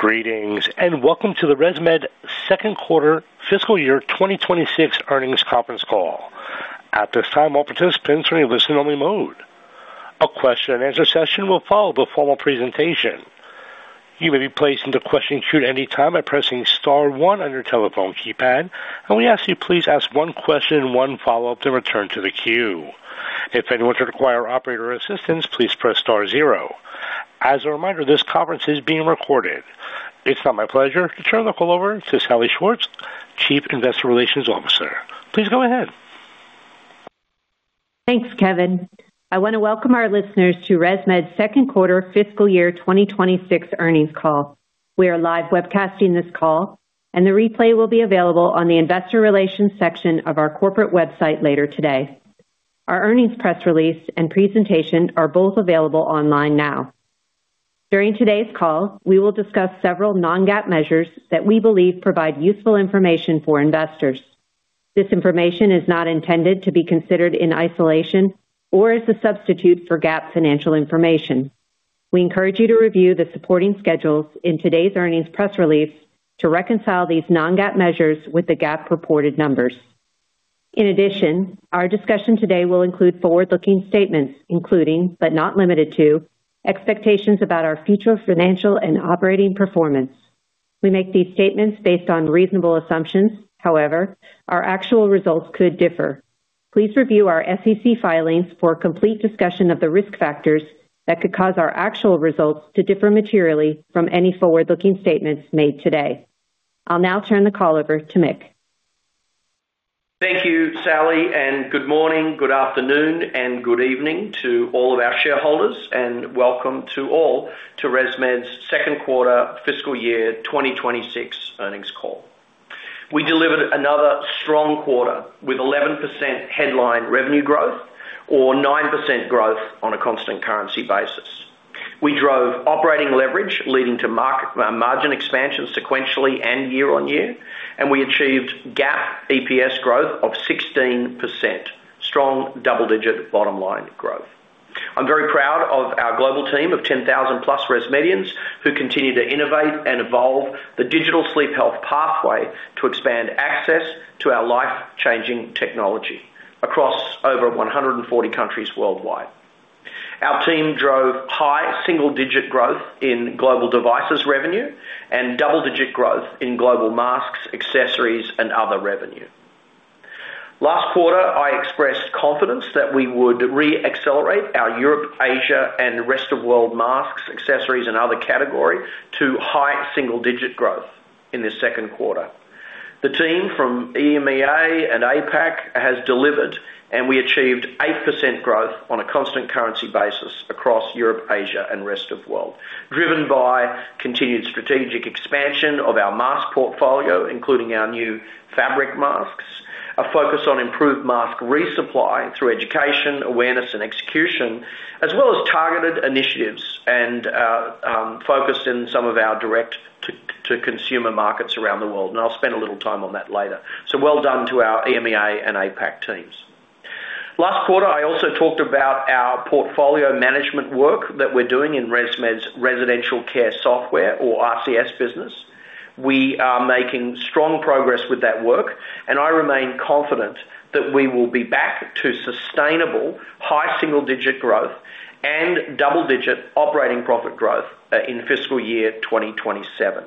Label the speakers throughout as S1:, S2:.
S1: Greetings and welcome to the ResMed Second Quarter Fiscal Year 2026 Earnings Conference Call. At this time, all participants are in listen-only mode. A question-and-answer session will follow the formal presentation. You may be placed into question queue at any time by pressing star one on your telephone keypad, and we ask that you please ask one question, one follow-up, then return to the queue. If anyone should require operator assistance, please press star zero. As a reminder, this conference is being recorded. It's now my pleasure to turn the call over to Salli Schwartz, Chief Investor Relations Officer. Please go ahead.
S2: Thanks, Kevin. I want to welcome our listeners to ResMed Second Quarter Fiscal Year 2026 Earnings Call. We are live webcasting this call, and the replay will be available on the investor relations section of our corporate website later today. Our earnings press release and presentation are both available online now. During today's call, we will discuss several non-GAAP measures that we believe provide useful information for investors. This information is not intended to be considered in isolation or as a substitute for GAAP financial information. We encourage you to review the supporting schedules in today's earnings press release to reconcile these non-GAAP measures with the GAAP reported numbers. In addition, our discussion today will include forward-looking statements, including, but not limited to, expectations about our future financial and operating performance. We make these statements based on reasonable assumptions. However, our actual results could differ. Please review our SEC filings for complete discussion of the risk factors that could cause our actual results to differ materially from any forward-looking statements made today. I'll now turn the call over to Mick.
S3: Thank you, Salli, and good morning, good afternoon, and good evening to all of our shareholders, and welcome to all to ResMed's Second Quarter Fiscal Year 2026 Earnings Call. We delivered another strong quarter with 11% headline revenue growth or 9% growth on a constant currency basis. We drove operating leverage, leading to margin expansion sequentially and year-on-year, and we achieved GAAP EPS growth of 16%, strong double-digit bottom line growth. I'm very proud of our global team of 10,000+ ResMedians who continue to innovate and evolve the digital sleep health pathway to expand access to our life-changing technology across over 140 countries worldwide. Our team drove high single-digit growth in global devices revenue and double-digit growth in global masks, accessories, and other revenue. Last quarter, I expressed confidence that we would re-accelerate our Europe, Asia, and Rest of World masks, accessories, and other category to high single-digit growth in this second quarter. The team from EMEA and APAC has delivered, and we achieved 8% growth on a constant currency basis across Europe, Asia, and Rest of the World. Driven by continued strategic expansion of our mask portfolio, including our new fabric masks, a focus on improved mask resupply through education, awareness, and execution, as well as targeted initiatives and focus in some of our direct-to-consumer markets around the world. I'll spend a little time on that later. Well done to our EMEA and APAC teams. Last quarter, I also talked about our portfolio management work that we're doing in ResMed's Residential Care Software, or RCS business. We are making strong progress with that work, and I remain confident that we will be back to sustainable high single-digit growth and double-digit operating profit growth in fiscal year 2027.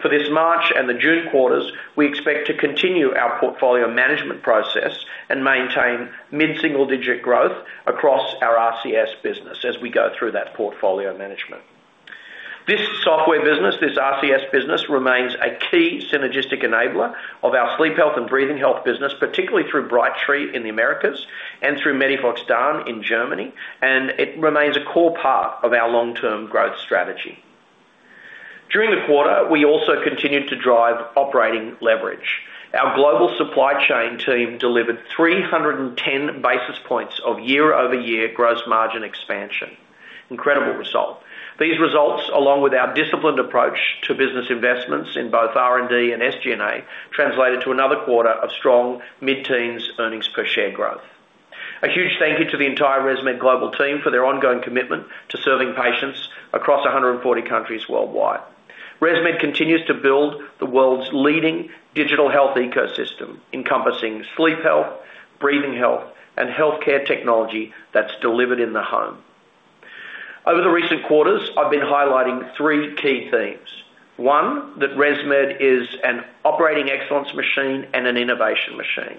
S3: For this March and the June quarters, we expect to continue our portfolio management process and maintain mid-single-digit growth across our RCS business as we go through that portfolio management. This software business, this RCS business, remains a key synergistic enabler of our sleep health and breathing health business, particularly through Brightree in the Americas and through MEDIFOX DAN in Germany, and it remains a core part of our long-term growth strategy. During the quarter, we also continued to drive operating leverage. Our global supply chain team delivered 310 basis points of year-over-year gross margin expansion. Incredible result. These results, along with our disciplined approach to business investments in both R&D and SG&A, translated to another quarter of strong mid-teens earnings per share growth. A huge thank you to the entire ResMed global team for their ongoing commitment to serving patients across 140 countries worldwide. ResMed continues to build the world's leading digital health ecosystem, encompassing sleep health, breathing health, and healthcare technology that's delivered in the home. Over the recent quarters, I've been highlighting three key themes. One, that ResMed is an operating excellence machine and an innovation machine.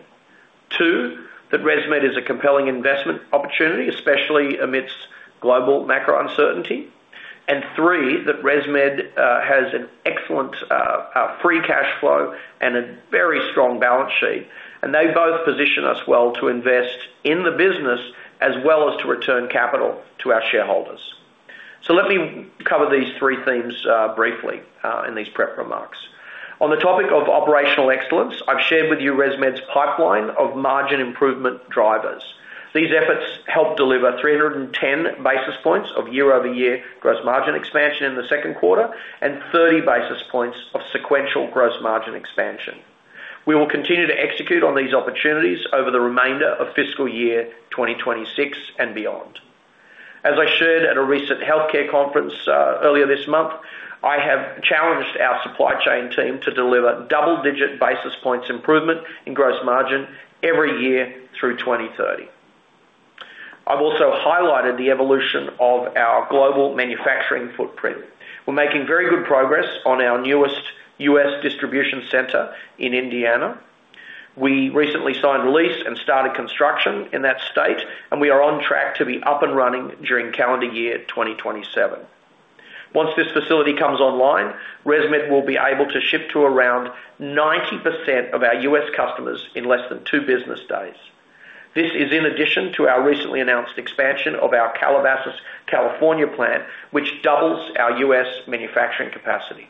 S3: Two, that ResMed is a compelling investment opportunity, especially amidst global macro uncertainty. And three, that ResMed has an excellent free cash flow and a very strong balance sheet, and they both position us well to invest in the business as well as to return capital to our shareholders. So let me cover these three themes briefly in these prep remarks. On the topic of operational excellence, I've shared with you ResMed's pipeline of margin improvement drivers. These efforts helped deliver 310 basis points of year-over-year gross margin expansion in the second quarter and 30 basis points of sequential gross margin expansion. We will continue to execute on these opportunities over the remainder of fiscal year 2026 and beyond. As I shared at a recent healthcare conference earlier this month, I have challenged our supply chain team to deliver double-digit basis points improvement in gross margin every year through 2030. I've also highlighted the evolution of our global manufacturing footprint. We're making very good progress on our newest U.S. distribution center in Indiana. We recently signed a lease and started construction in that state, and we are on track to be up and running during calendar year 2027. Once this facility comes online, ResMed will be able to ship to around 90% of our U.S. customers in less than two business days. This is in addition to our recently announced expansion of our Calabasas, California plant, which doubles our U.S. manufacturing capacity.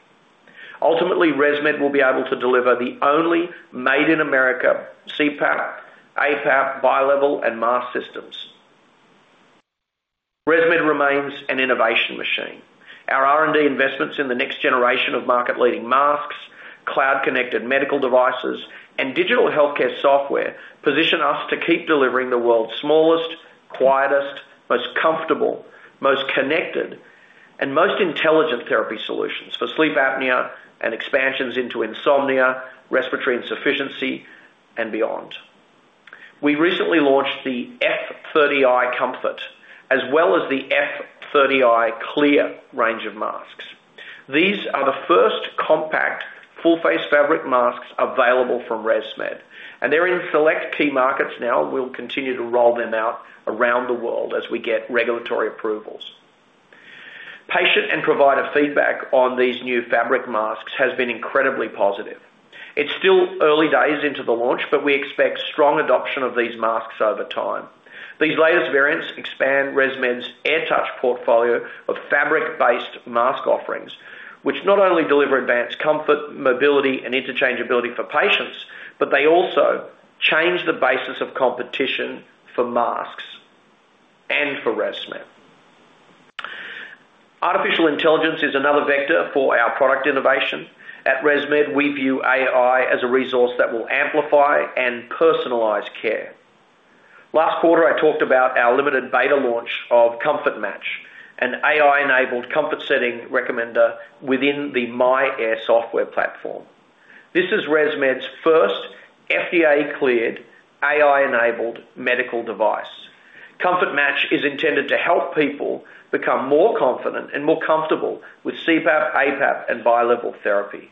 S3: Ultimately, ResMed will be able to deliver the only Made-in-America CPAP, APAP, bi-level, and mask systems. ResMed remains an innovation machine. Our R&D investments in the next generation of market-leading masks, cloud-connected medical devices, and digital healthcare software position us to keep delivering the world's smallest, quietest, most comfortable, most connected, and most intelligent therapy solutions for sleep apnea and expansions into insomnia, respiratory insufficiency, and beyond. We recently launched the F30i Comfort, as well as the F30i Clear range of masks. These are the first compact full-face fabric masks available from ResMed, and they're in select key markets now, and we'll continue to roll them out around the world as we get regulatory approvals. Patient and provider feedback on these new fabric masks has been incredibly positive. It's still early days into the launch, but we expect strong adoption of these masks over time. These latest variants expand ResMed's AirTouch portfolio of fabric-based mask offerings, which not only deliver advanced comfort, mobility, and interchangeability for patients, but they also change the basis of competition for masks and for ResMed. Artificial intelligence is another vector for our product innovation. At ResMed, we view AI as a resource that will amplify and personalize care. Last quarter, I talked about our limited beta launch of Comfort Match, an AI-enabled comfort setting recommender within the myAir software platform. This is ResMed's first FDA-cleared, AI-enabled medical device. Comfort Match is intended to help people become more confident and more comfortable with CPAP, APAP, and bi-level therapy.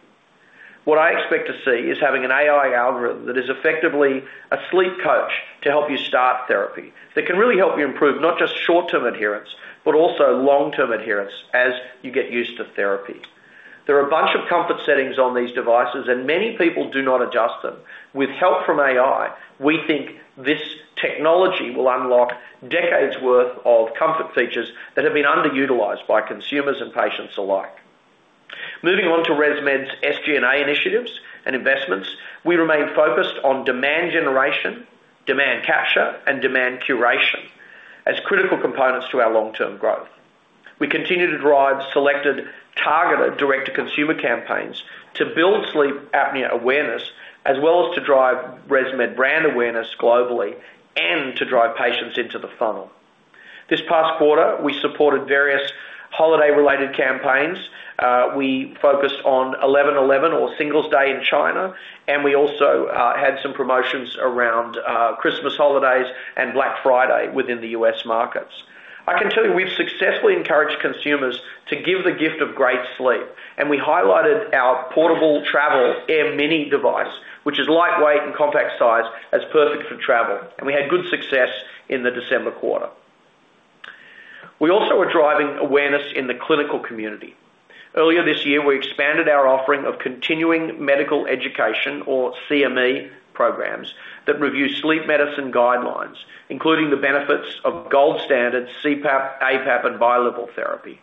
S3: What I expect to see is having an AI algorithm that is effectively a sleep coach to help you start therapy, that can really help you improve not just short-term adherence, but also long-term adherence as you get used to therapy. There are a bunch of comfort settings on these devices, and many people do not adjust them. With help from AI, we think this technology will unlock decades' worth of comfort features that have been underutilized by consumers and patients alike. Moving on to ResMed's SG&A initiatives and investments, we remain focused on demand generation, demand capture, and demand curation as critical components to our long-term growth. We continue to drive selected targeted direct-to-consumer campaigns to build sleep apnea awareness, as well as to drive ResMed brand awareness globally and to drive patients into the funnel. This past quarter, we supported various holiday-related campaigns. We focused on 11/11 or Singles' Day in China, and we also had some promotions around Christmas holidays and Black Friday within the U.S. markets. I can tell you we've successfully encouraged consumers to give the gift of great sleep, and we highlighted our portable travel AirMini device, which is lightweight and compact size, as perfect for travel, and we had good success in the December quarter. We also are driving awareness in the clinical community. Earlier this year, we expanded our offering of continuing medical education, or CME programs, that review sleep medicine guidelines, including the benefits of gold standard CPAP, APAP, and bi-level therapy.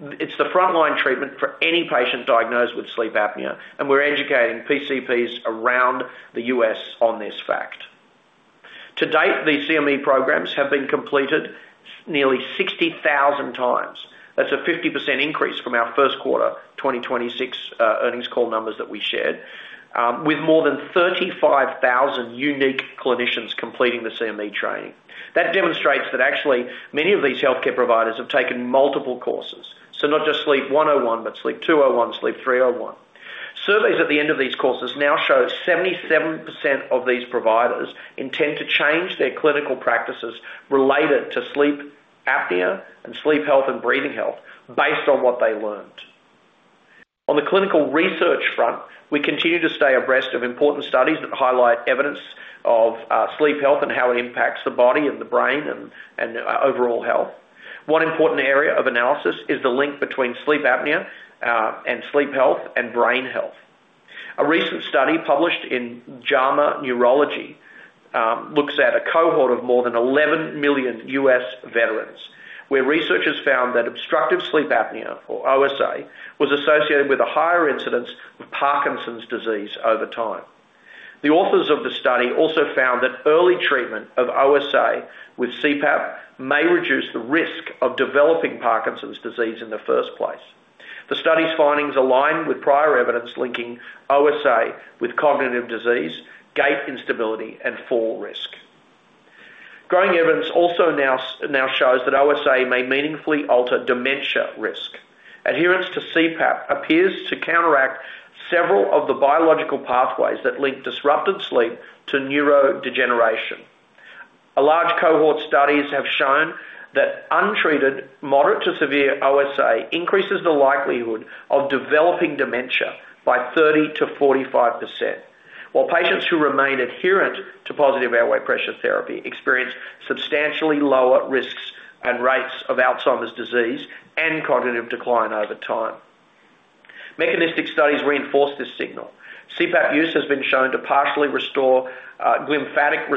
S3: It's the frontline treatment for any patient diagnosed with sleep apnea, and we're educating PCPs around the U.S. on this fact. To date, these CME programs have been completed nearly 60,000 times. That's a 50% increase from our first quarter 2026 earnings call numbers that we shared, with more than 35,000 unique clinicians completing the CME training. That demonstrates that actually many of these healthcare providers have taken multiple courses, so not just Sleep 101, but Sleep 201, Sleep 301. Surveys at the end of these courses now show 77% of these providers intend to change their clinical practices related to sleep apnea and sleep health and breathing health based on what they learned. On the clinical research front, we continue to stay abreast of important studies that highlight evidence of sleep health and how it impacts the body and the brain and overall health. One important area of analysis is the link between sleep apnea and sleep health and brain health. A recent study published in JAMA Neurology looks at a cohort of more than 11 million U.S. veterans where researchers found that obstructive sleep apnea, or OSA, was associated with a higher incidence of Parkinson's disease over time. The authors of the study also found that early treatment of OSA with CPAP may reduce the risk of developing Parkinson's disease in the first place. The study's findings align with prior evidence linking OSA with cognitive disease, gait instability, and fall risk. Growing evidence also now shows that OSA may meaningfully alter dementia risk. Adherence to CPAP appears to counteract several of the biological pathways that link disrupted sleep to neurodegeneration. A large cohort of studies have shown that untreated moderate-to-severe OSA increases the likelihood of developing dementia by 30%-45%, while patients who remain adherent to positive airway pressure therapy experience substantially lower risks and rates of Alzheimer's disease and cognitive decline over time. Mechanistic studies reinforce this signal. CPAP use has been shown to partially restore glymphatic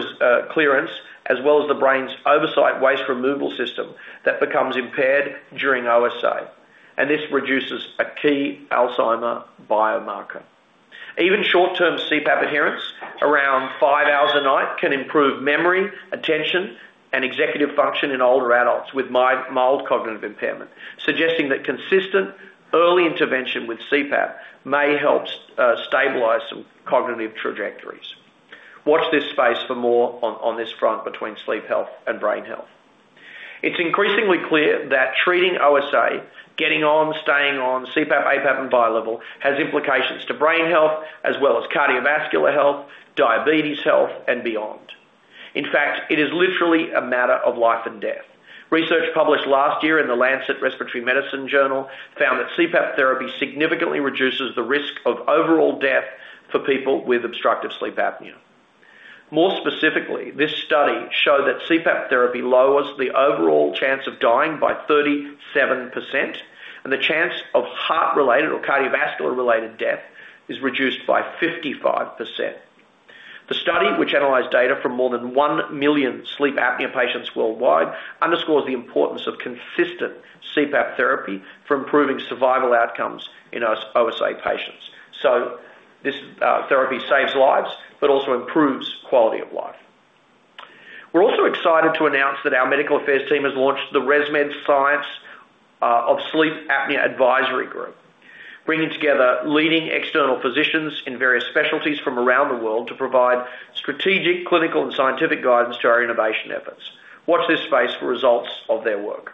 S3: clearance, as well as the brain's overnight waste removal system that becomes impaired during OSA, and this reduces a key Alzheimer's biomarker. Even short-term CPAP adherence around five hours a night can improve memory, attention, and executive function in older adults with mild cognitive impairment, suggesting that consistent early intervention with CPAP may help stabilize some cognitive trajectories. Watch this space for more on this front between sleep health and brain health. It's increasingly clear that treating OSA, getting on, staying on, CPAP, APAP, and bi-level has implications to brain health, as well as cardiovascular health, diabetes health, and beyond. In fact, it is literally a matter of life and death. Research published last year in the Lancet Respiratory Medicine Journal found that CPAP therapy significantly reduces the risk of overall death for people with obstructive sleep apnea. More specifically, this study showed that CPAP therapy lowers the overall chance of dying by 37%, and the chance of heart-related or cardiovascular-related death is reduced by 55%. The study, which analyzed data from more than 1 million sleep apnea patients worldwide, underscores the importance of consistent CPAP therapy for improving survival outcomes in OSA patients. This therapy saves lives, but also improves quality of life. We're also excited to announce that our medical affairs team has launched the ResMed Science of Sleep Apnea Advisory Group, bringing together leading external physicians in various specialties from around the world to provide strategic, clinical, and scientific guidance to our innovation efforts. Watch this space for results of their work.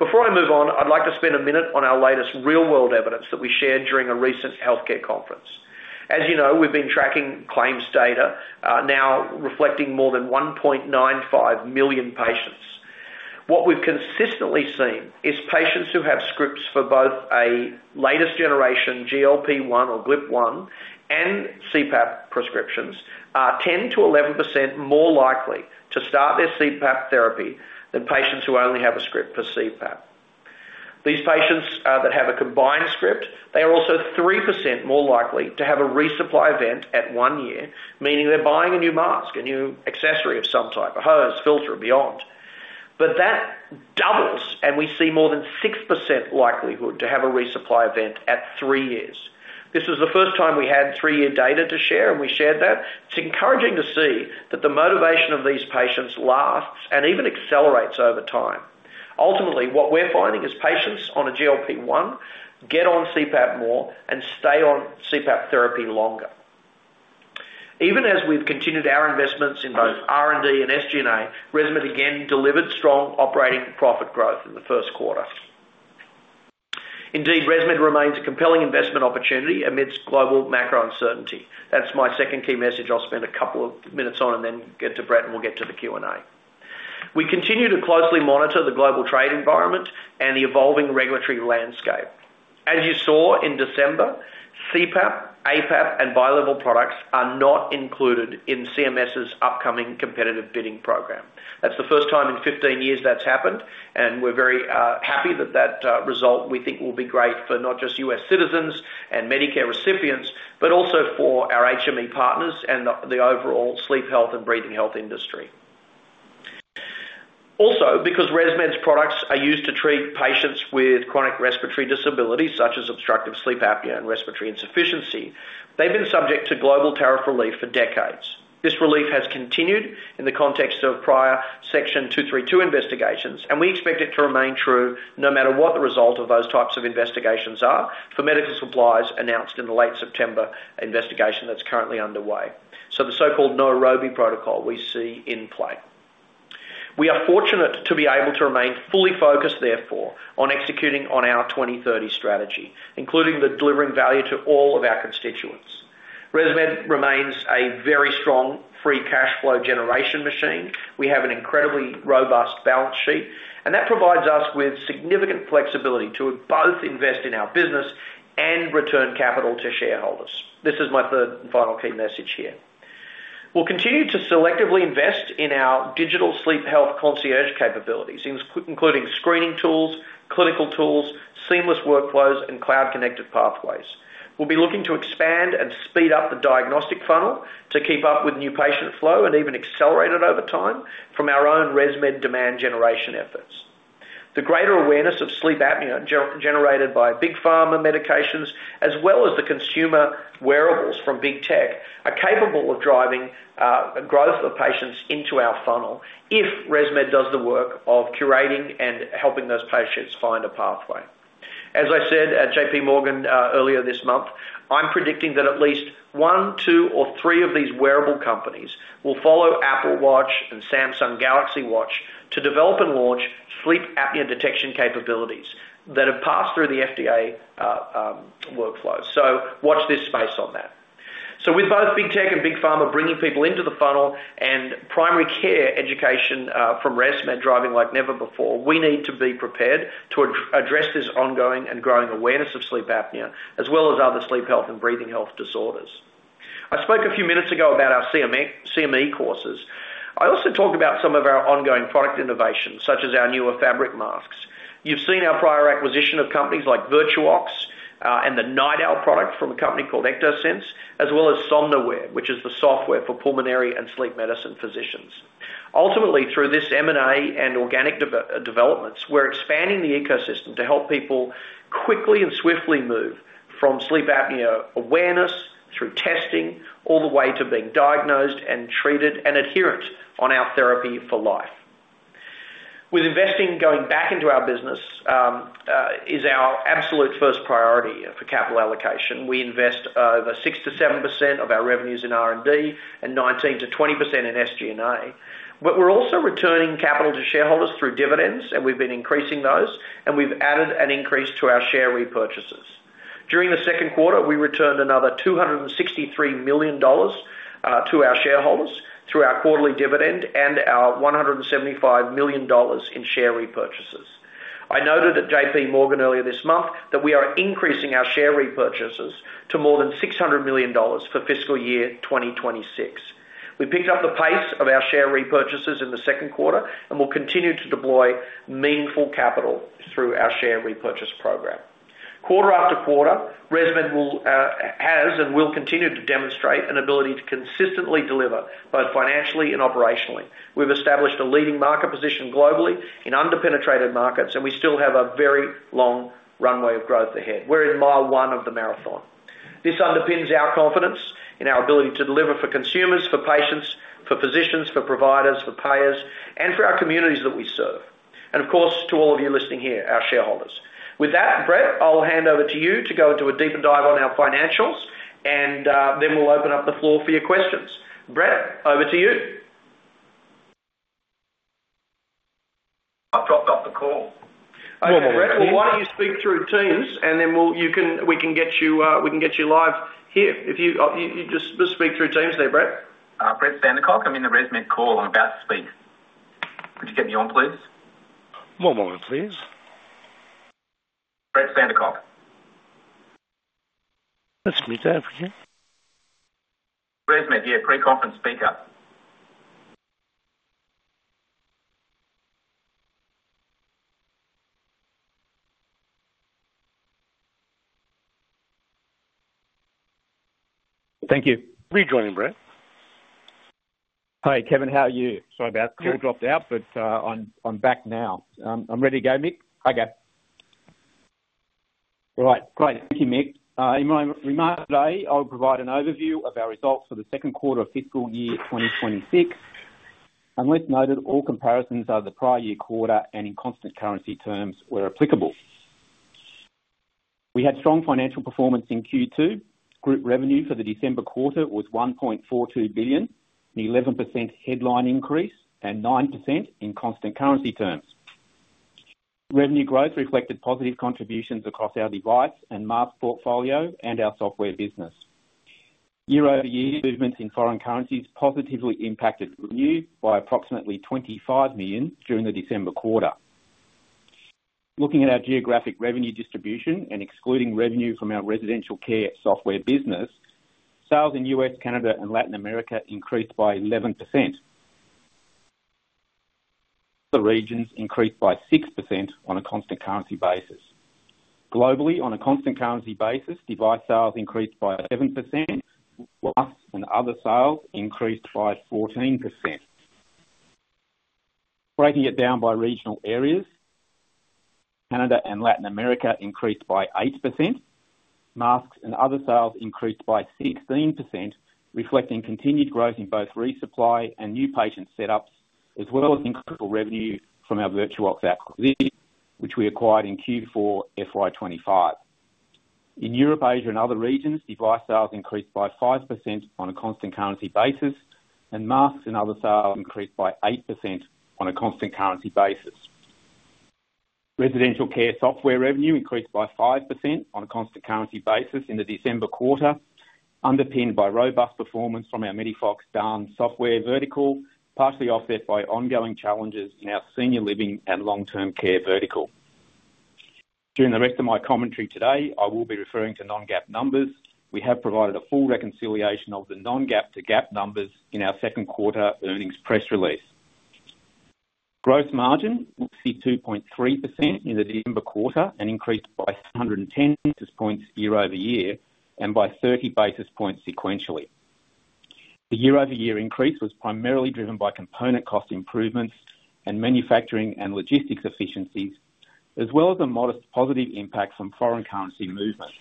S3: Before I move on, I'd like to spend a minute on our latest real-world evidence that we shared during a recent healthcare conference. As you know, we've been tracking claims data now reflecting more than 1.95 million patients. What we've consistently seen is patients who have scripts for both a latest generation GLP-1 or GLP-1 and CPAP prescriptions are 10%-11% more likely to start their CPAP therapy than patients who only have a script for CPAP. These patients that have a combined script, they are also 3% more likely to have a resupply event at one year, meaning they're buying a new mask, a new accessory of some type, a hose, filter, and beyond. But that doubles, and we see more than 6% likelihood to have a resupply event at three years. This was the first time we had three-year data to share, and we shared that. It's encouraging to see that the motivation of these patients lasts and even accelerates over time. Ultimately, what we're finding is patients on a GLP-1 get on CPAP more and stay on CPAP therapy longer. Even as we've continued our investments in both R&D and SG&A, ResMed again delivered strong operating profit growth in the first quarter. Indeed, ResMed remains a compelling investment opportunity amidst global macro uncertainty. That's my second key message I'll spend a couple of minutes on, and then get to Brett and we'll get to the Q&A. We continue to closely monitor the global trade environment and the evolving regulatory landscape. As you saw in December, CPAP, APAP, and bi-level products are not included in CMS's upcoming competitive bidding program. That's the first time in 15 years that's happened, and we're very happy that that result we think will be great for not just U.S. citizens and Medicare recipients, but also for our HME partners and the overall sleep health and breathing health industry. Also, because ResMed's products are used to treat patients with chronic respiratory disabilities such as obstructive sleep apnea and respiratory insufficiency, they've been subject to global tariff relief for decades. This relief has continued in the context of prior Section 232 investigations, and we expect it to remain true no matter what the result of those types of investigations are for medical supplies announced in the late September investigation that's currently underway. So, the so-called Nairobi Protocol we see in play. We are fortunate to be able to remain fully focused, therefore, on executing on our 2030 strategy, including the delivering value to all of our constituents. ResMed remains a very strong free cash flow generation machine. We have an incredibly robust balance sheet, and that provides us with significant flexibility to both invest in our business and return capital to shareholders. This is my third and final key message here. We'll continue to selectively invest in our digital sleep health concierge capabilities, including screening tools, clinical tools, seamless workflows, and cloud-connected pathways. We'll be looking to expand and speed up the diagnostic funnel to keep up with new patient flow and even accelerate it over time from our own ResMed demand generation efforts. The greater awareness of sleep apnea generated big pharma medications, as well as the consumer wearables from big tech, are capable of driving growth of patients into our funnel if ResMed does the work of curating and helping those patients find a pathway. As I said at JPMorgan earlier this month, I'm predicting that at least one, two, or three of these wearable companies will follow Apple Watch and Samsung Galaxy Watch to develop and launch sleep apnea detection capabilities that have passed through the FDA workflows. So, watch this space on that. So with both big tech big pharma bringing people into the funnel and primary care education from ResMed driving like never before, we need to be prepared to address this ongoing and growing awareness of sleep apnea, as well as other sleep health and breathing health disorders. I spoke a few minutes ago about our CME courses. I also talked about some of our ongoing product innovations, such as our newer fabric masks. You've seen our prior acquisition of companies like VirtuOx and the NightOwl product from a company called Ectosense, as well as Somnoware, which is the software for pulmonary and sleep medicine physicians. Ultimately, through this M&A and organic developments, we're expanding the ecosystem to help people quickly and swiftly move from sleep apnea awareness through testing all the way to being diagnosed and treated and adherent on our therapy for life. With investing going back into our business is our absolute first priority for capital allocation. We invest over 6%-7% of our revenues in R&D and 19%-20% in SG&A. But we're also returning capital to shareholders through dividends, and we've been increasing those, and we've added an increase to our share repurchases. During the second quarter, we returned another $263 million to our shareholders through our quarterly dividend and our $175 million in share repurchases. I noted at JPMorgan earlier this month that we are increasing our share repurchases to more than $600 million for fiscal year 2026. We picked up the pace of our share repurchases in the second quarter and will continue to deploy meaningful capital through our share repurchase program. Quarter after quarter, ResMed has and will continue to demonstrate an ability to consistently deliver both financially and operationally. We've established a leading market position globally in underpenetrated markets, and we still have a very long runway of growth ahead. We're in mile one of the marathon. This underpins our confidence in our ability to deliver for consumers, for patients, for physicians, for providers, for payers, and for our communities that we serve. And of course, to all of you listening here, our shareholders. With that, Brett, I'll hand over to you to go into a deeper dive on our financials, and then we'll open up the floor for your questions. Brett, over to you.
S1: I've dropped off the call. One mo-
S3: Brett, why don't you speak through Teams, and then we can get you live here. Just speak through Teams there, Brett.
S4: Brett Sandercock, I'm in the ResMed call. I'm about to speak. Could you get me on, please?
S1: On moment please.
S4: Brett Sandercock.
S3: Split of, yeah?
S4: ResMed, yeah, pre-conference speaker. Thank you.
S3: Are you joining, Brett?
S4: Hi, Kevin, how are you? Sorry about that. Call dropped out, but I'm back now. I'm ready to go, Mick. Okay. Right. Great. Thank you, Mick. In my remarks today, I'll provide an overview of our results for the second quarter of fiscal year 2026. Unless noted, all comparisons are the prior year quarter and in constant currency terms where applicable. We had strong financial performance in Q2. Group revenue for the December quarter was $1.42 billion, an 11% headline increase, and 9% in constant currency terms. Revenue growth reflected positive contributions across our device and mask portfolio and our software business. Year-over-year movements in foreign currencies positively impacted revenue by approximately $25 million during the December quarter. Looking at our geographic revenue distribution and excluding revenue from our Residential Care Software business, sales in U.S., Canada, and Latin America increased by 11%. The regions increased by 6% on a constant currency basis. Globally, on a constant currency basis, Device sales increased by 7%, Masks and other sales increased by 14%. Breaking it down by regional areas, Canada and Latin America increased by 8%, Masks and other sales increased by 16%, reflecting continued growth in both resupply and new patient setups, as well as incremental revenue from our VirtuOx acquisition, which we acquired in Q4 FY2025. In Europe, Asia, and other regions, Device sales increased by 5% on a constant currency basis, and Masks and other sales increased by 8% on a constant currency basis. Residential Care Software revenue increased by 5% on a constant currency basis in the December quarter, underpinned by robust performance from our MEDIFOX DAN software vertical, partially offset by ongoing challenges in our senior living and long-term care vertical. During the rest of my commentary today, I will be referring to non-GAAP numbers. We have provided a full reconciliation of the non-GAAP to GAAP numbers in our second quarter earnings press release. Gross margin was 2.3% in the December quarter and increased by 110 basis points year-over-year and by 30 basis points sequentially. The year-over-year increase was primarily driven by component cost improvements and manufacturing and logistics efficiencies, as well as a modest positive impact from foreign currency movements.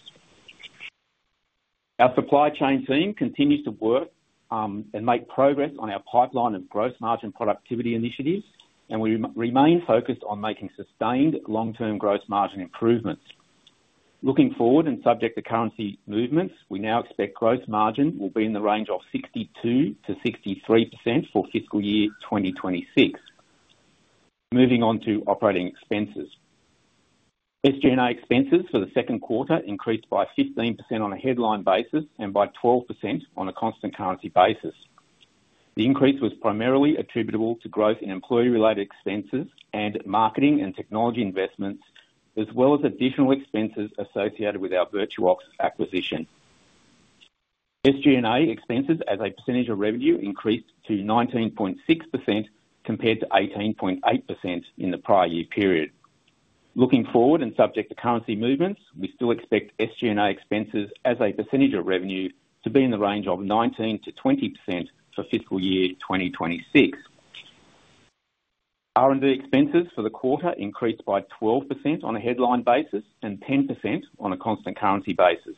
S4: Our supply chain team continues to work and make progress on our pipeline of gross margin productivity initiatives, and we remain focused on making sustained long-term gross margin improvements. Looking forward and subject to currency movements, we now expect gross margin will be in the range of 62%-63% for fiscal year 2026. Moving on to operating expenses. SG&A expenses for the second quarter increased by 15% on a headline basis and by 12% on a constant currency basis. The increase was primarily attributable to growth in employee-related expenses and marketing and technology investments, as well as additional expenses associated with our VirtuOx acquisition. SG&A expenses as a percentage of revenue increased to 19.6% compared to 18.8% in the prior year period. Looking forward and subject to currency movements, we still expect SG&A expenses as a percentage of revenue to be in the range of 19%-20% for fiscal year 2026. R&D expenses for the quarter increased by 12% on a headline basis and 10% on a constant currency basis.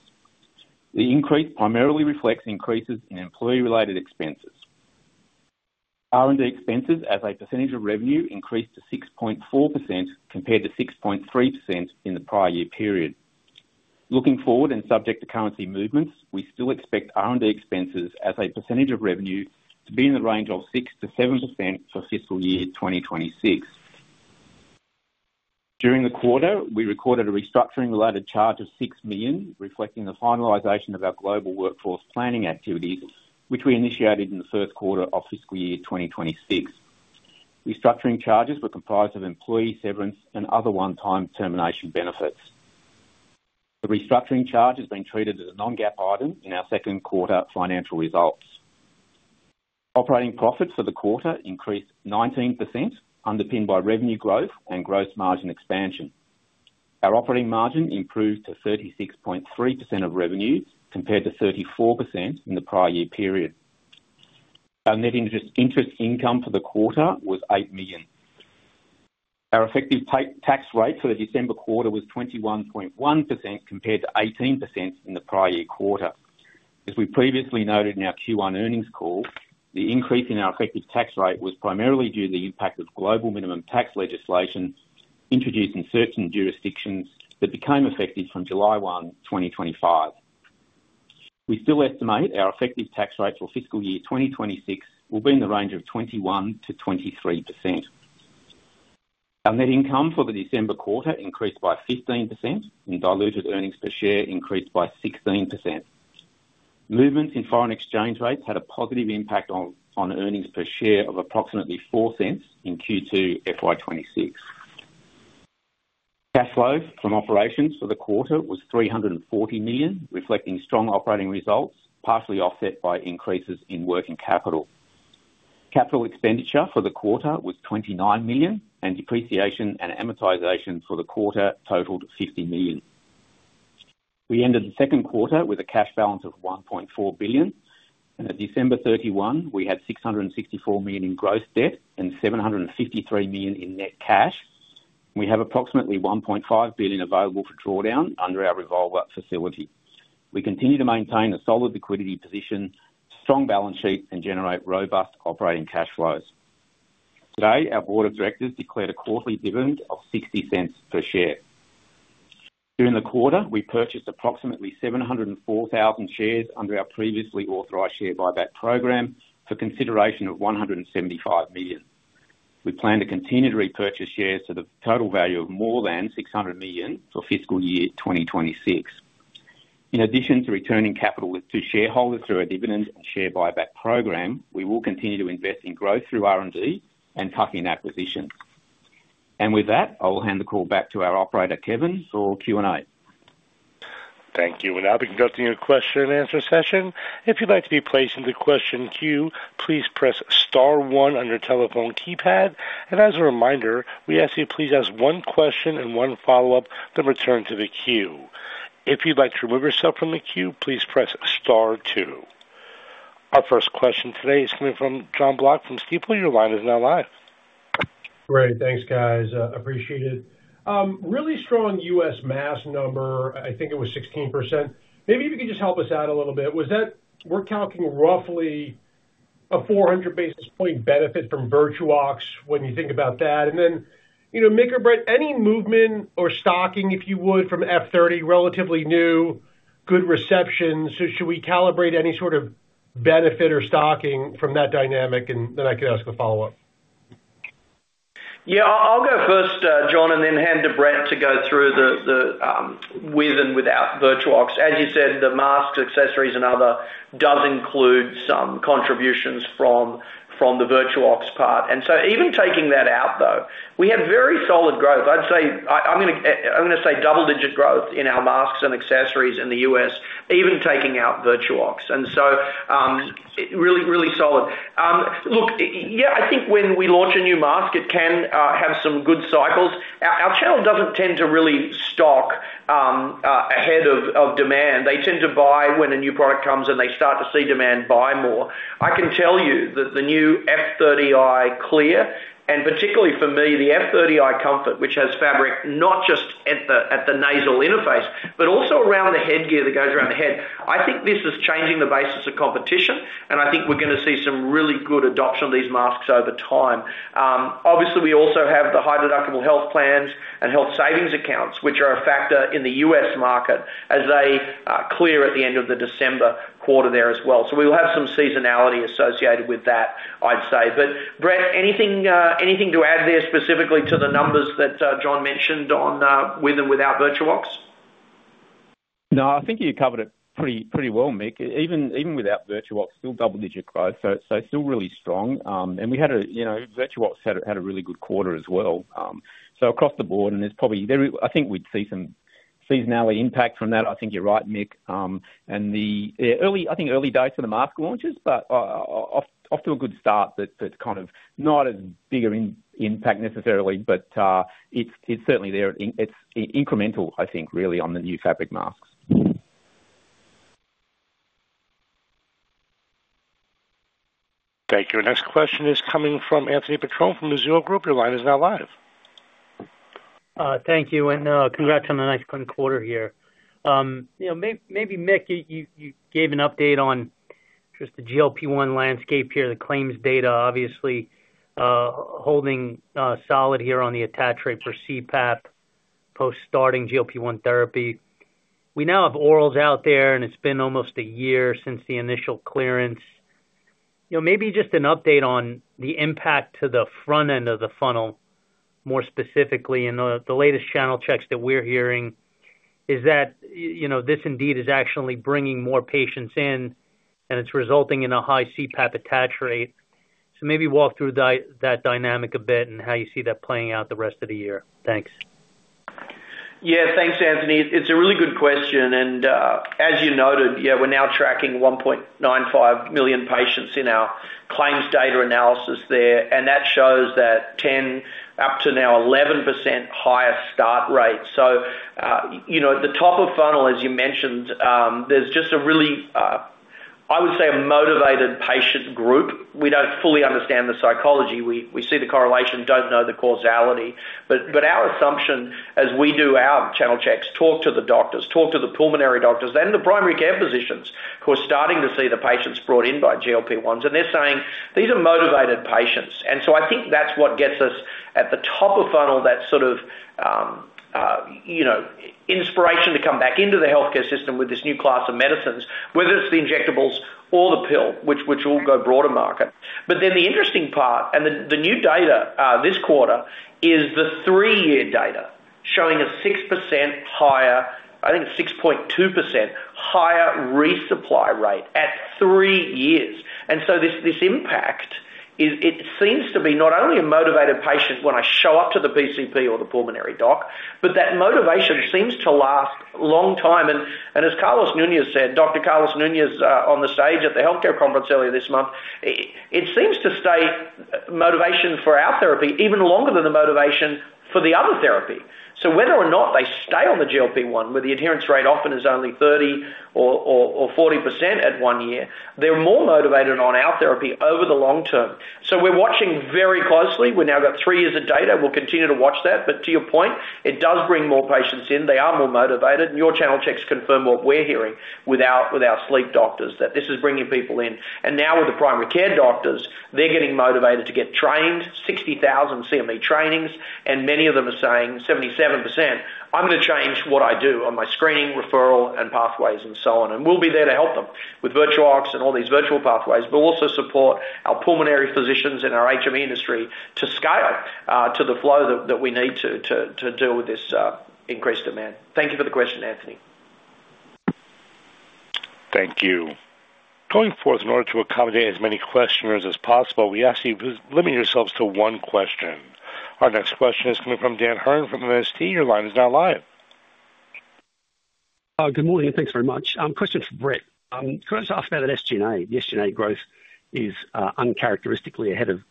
S4: The increase primarily reflects increases in employee-related expenses. R&D expenses as a percentage of revenue increased to 6.4% compared to 6.3% in the prior year period. Looking forward and subject to currency movements, we still expect R&D expenses as a percentage of revenue to be in the range of 6%-7% for fiscal year 2026. During the quarter, we recorded a restructuring-related charge of $6 million, reflecting the finalization of our global workforce planning activities, which we initiated in the first quarter of fiscal year 2026. Restructuring charges were comprised of employee severance and other one-time termination benefits. The restructuring charge has been treated as a non-GAAP item in our second quarter financial results. Operating profits for the quarter increased 19%, underpinned by revenue growth and gross margin expansion. Our operating margin improved to 36.3% of revenues compared to 34% in the prior year period. Our net interest income for the quarter was $8 million. Our effective tax rate for the December quarter was 21.1% compared to 18% in the prior year quarter. As we previously noted in our Q1 earnings call, the increase in our effective tax rate was primarily due to the impact of global minimum tax legislation introduced in certain jurisdictions that became effective from July 1, 2025. We still estimate our effective tax rate for fiscal year 2026 will be in the range of 21%-23%. Our net income for the December quarter increased by 15%, and diluted earnings per share increased by 16%. Movements in foreign exchange rates had a positive impact on earnings per share of approximately $0.04 in Q2 FY2026. Cash flow from operations for the quarter was $340 million, reflecting strong operating results, partially offset by increases in working capital. Capital expenditure for the quarter was $29 million, and depreciation and amortization for the quarter totaled $50 million. We ended the second quarter with a cash balance of $1.4 billion. At December 31, we had $664 million in gross debt and $753 million in net cash. We have approximately $1.5 billion available for drawdown under our revolver facility. We continue to maintain a solid liquidity position, strong balance sheet, and generate robust operating cash flows. Today, our board of directors declared a quarterly dividend of $0.60 per share. During the quarter, we purchased approximately 704,000 shares under our previously authorized share buyback program for consideration of $175 million. We plan to continue to repurchase shares to the total value of more than $600 million for fiscal year 2026. In addition to returning capital to shareholders through our dividend and share buyback program, we will continue to invest in growth through R&D and tuck-in acquisitions. And with that, I will hand the call back to our operator, Kevin, for Q&A.
S1: Thank you. We're now beginning the question-and-answer session. If you'd like to be placed in the question queue, please press star one on your telephone keypad. And as a reminder, we ask that you please ask one question and one follow-up then return to the queue. If you'd like to remove yourself from the queue, please press star two. Our first question today is coming from Jon Block from Stifel. Your line is now live.
S5: Great. Thanks, guys. Appreciate it. Really strong U.S. mask number. I think it was 16%. Maybe if you could just help us out a little bit. We're calculating roughly a 400 basis point benefit from VirtuOx when you think about that. And then, Mick or Brett, any movement or stocking, if you would, from F30, relatively new, good reception? So should we calibrate any sort of benefit or stocking from that dynamic? And then I can ask a follow-up.
S3: Yeah. I'll go first, Jon, and then hand to Brett to go through the with and without VirtuOx. As you said, the masks, accessories, and other does include some contributions from the VirtuOx part. And so even taking that out, though, we have very solid growth. I'm going to say double-digit growth in our masks and accessories in the U.S., even taking out VirtuOx. And so really solid. Look, yeah, I think when we launch a new mask, it can have some good cycles. Our channel doesn't tend to really stock ahead of demand. They tend to buy when a new product comes, and they start to see demand buy more. I can tell you that the new F30i Clear, and particularly for me, the F30i Comfort, which has fabric not just at the nasal interface, but also around the headgear that goes around the head, I think this is changing the basis of competition, and I think we're going to see some really good adoption of these masks over time. Obviously, we also have the high-deductible health plans and health savings accounts, which are a factor in the U.S. market as they clear at the end of the December quarter there as well. S,o we will have some seasonality associated with that, I'd say. But Brett, anything to add there specifically to the numbers that Jon mentioned on with and without VirtuOx?
S4: No, I think you covered it pretty well, Mick. Even without VirtuOx, still double-digit growth, so still really strong. And VirtuOx had a really good quarter as well. So across the board, and I think we'd see some seasonality impact from that. I think you're right, Mick. And I think early days for the mask launches, but off to a good start that's kind of not as big an impact necessarily, but it's certainly there. It's incremental, I think, really, on the new fabric masks.
S1: Thank you. Our next question is coming from Anthony Petrone from Mizuho Group. Your line is now live.
S6: Thank you. And congrats on the nice spring quarter here. Maybe, Mick, you gave an update on just the GLP-1 landscape here, the claims data, obviously holding solid here on the attach rate for CPAP post-starting GLP-1 therapy. We now have orals out there, and it's been almost a year since the initial clearance. Maybe just an update on the impact to the front end of the funnel, more specifically, and the latest channel checks that we're hearing is that this indeed is actually bringing more patients in, and it's resulting in a high CPAP attach rate. So maybe walk through that dynamic a bit and how you see that playing out the rest of the year. Thanks.
S3: Yeah, thanks, Anthony. It's a really good question. And as you noted, yeah, we're now tracking 1.95 million patients in our claims data analysis there. And that shows that 10%-11% higher start rate. So, at the top of funnel, as you mentioned, there's just a really, I would say, a motivated patient group. We don't fully understand the psychology. We see the correlation, don't know the causality. But our assumption, as we do our channel checks, talk to the doctors, talk to the pulmonary doctors, then the primary care physicians, who are starting to see the patients brought in by GLP-1s, and they're saying, "These are motivated patients." And so, I think that's what gets us at the top of funnel, that sort of inspiration to come back into the healthcare system with this new class of medicines, whether it's the injectables or the pill, which will go broader market. But then the interesting part, and the new data this quarter, is the three-year data showing a 6% higher, I think 6.2% higher resupply rate at three years. And so, this impact, it seems to be not only a motivated patient when I show up to the PCP or the pulmonary doc, but that motivation seems to last a long time. And as Carlos Nunez said, Dr. Carlos Nunez, on the stage at the healthcare conference earlier this month, it seems to stay motivation for our therapy even longer than the motivation for the other therapy. So, whether or not they stay on the GLP-1, where the adherence rate often is only 30% or 40% at one year, they're more motivated on our therapy over the long term. So, we're watching very closely. We've now got 3 years of data. We'll continue to watch that. But to your point, it does bring more patients in. They are more motivated. And your channel checks confirm what we're hearing with our sleep doctors, that this is bringing people in. And now with the primary care doctors, they're getting motivated to get trained, 60,000 CME trainings, and many of them are saying 77%, "I'm going to change what I do on my screening, referral, and pathways," and so on. And we'll be there to help them with VirtuOx and all these virtual pathways, but also support our pulmonary physicians and our HME industry to scale to the flow that we need to deal with this increased demand. Thank you for the question, Anthony.
S1: Thank you. Going forth in order to accommodate as many questioners as possible, we ask that you limit yourselves to one question. Our next question is coming from Dan Hurren from MST. Your line is now live.
S7: Good morning. Thanks very much. Question for Brett. Can I just ask about that SG&A? The SG&A growth is uncharacteristically ahead of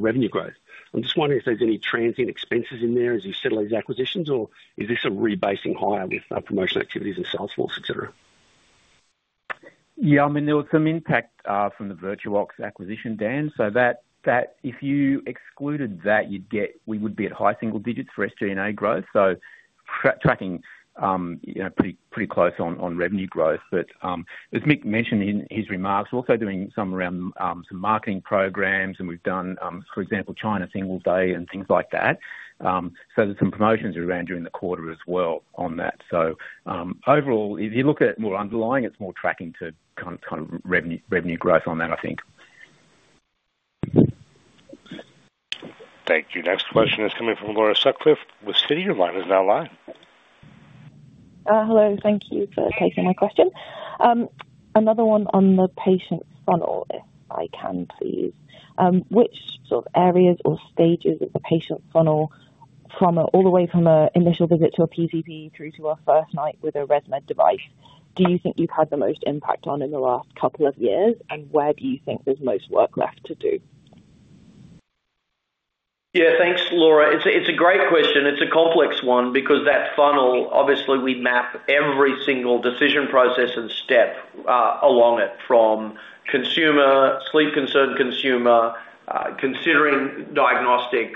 S7: revenue growth. I'm just wondering if there's any transient expenses in there as you settle these acquisitions, or is this a rebasing higher with promotional activities and sales force, etc.?
S4: Yeah. I mean, there was some impact from the VirtuOx acquisition, Dan. So if you excluded that, we would be at high single digits for SG&A growth. So tracking pretty close on revenue growth. But as Mick mentioned in his remarks, we're also doing some marketing programs, and we've done, for example, China Singles' Day and things like that. So, there's some promotions around during the quarter as well on that. So overall, if you look at more underlying, it's more tracking to kind of revenue growth on that, I think.
S1: Thank you. Next question is coming from Laura Sutcliffe with Citi. Your line is now live.
S8: Hello. Thank you for taking my question. Another one on the patient funnel, if I can please. Which sort of areas or stages of the patient funnel, all the way from an initial visit to a PCP through to our first night with a ResMed device, do you think you've had the most impact on in the last couple of years, and where do you think there's most work left to do?
S3: Yeah. Thanks, Laura. It's a great question. It's a complex one because that funnel, obviously, we map every single decision process and step along it from consumer, sleep-concerned consumer, considering diagnostic,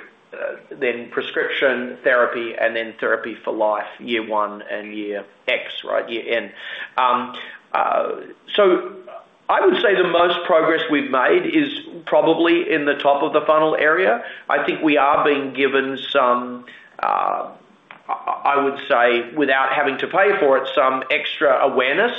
S3: then prescription, therapy, and then therapy for life, year one and year X, right, year N. So, I would say the most progress we've made is probably in the top of the funnel area. I think we are being given some, I would say, without having to pay for it, some extra awareness